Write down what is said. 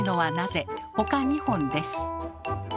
ほか２本です。